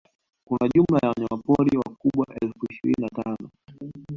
kuna jumla ya wanyamapori wakubwa elfu ishirini na tano